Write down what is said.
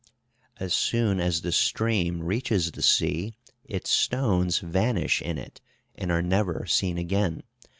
As soon as the stream reaches the sea, its stones vanish in it, and are never seen again.